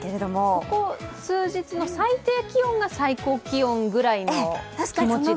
ここ数日の最低気温が最高気温ぐらいの気持ちで？